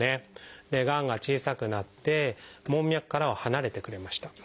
がんが小さくなって門脈からは離れてくれました。